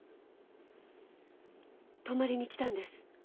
泊まりに来たんです。